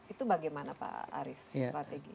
itu bagaimana pak arief